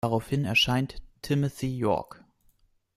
Daraufhin erscheint "Timothy York".